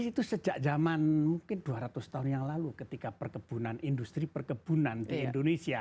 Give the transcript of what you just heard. jadi itu sejak zaman mungkin dua ratus tahun yang lalu ketika perkebunan industri perkebunan di indonesia